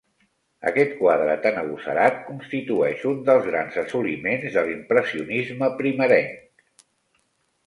Aquest quadre tan agosarat constitueix un dels grans assoliments de l'impressionisme primerenc.